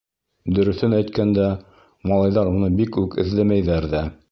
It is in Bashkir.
Дөрөҫөн әйткәндә, малайҙар уны бик үк эҙләмәйҙәр ҙә.